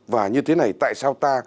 và như thế này tại sao ta